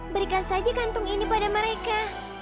berikan saja kantung ini pada mereka